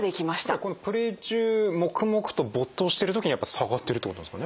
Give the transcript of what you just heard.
これはこのプレー中黙々と没頭してる時にやっぱり下がってるってことなんですかね。